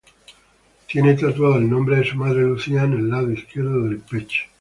Tiene tatuado el nombre de su madre "Lucía" en el lado izquierdo del pecho.